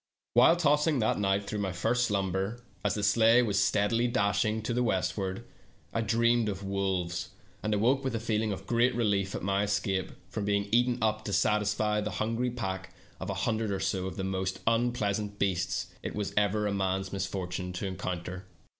While tossing that night through my first slumber, as the sleigh was steadily dashing to the westward, I dreamed of wolves, and awoke with a feeling of great relief at my escape from being eaten up to satisfy the hun ger of a pack of a hundred or so of the most unpleasant beasts it was ever a man's misfortune to encounter.